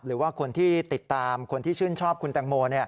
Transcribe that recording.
หรือว่าคนที่ติดตามคนที่ชื่นชอบคุณแตงโม